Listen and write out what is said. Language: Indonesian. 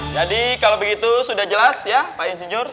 jadi kalau begitu sudah jelas ya pak insinyur